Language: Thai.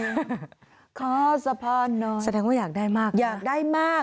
ขอสะพานหน่อยขอสะพานหน่อยแสดงว่าอยากได้มากอยากได้มาก